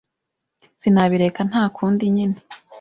sinabireka nta kundi nyine.”